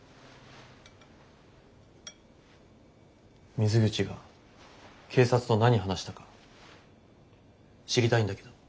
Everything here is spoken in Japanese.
水口が警察と何話したか知りたいんだけど。